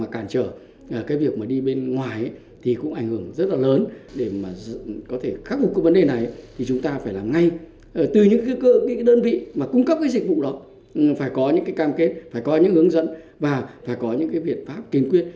các dịch vụ đó phải có những cam kết phải có những hướng dẫn và phải có những viện pháp kiến quyết